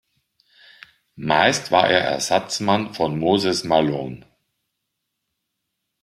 Meist war er Ersatzmann von Moses Malone.